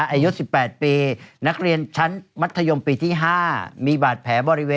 อายุ๑๘ปีนักเรียนชั้นมัธยมปีที่๕มีบาดแผลบริเวณ